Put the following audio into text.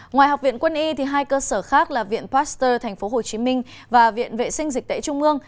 ngoài học viện quân y hai cơ sở khác là viện pasteur tp hcm và viện vệ sinh dịch tễ trung ương